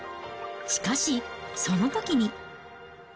しかし、そのときに。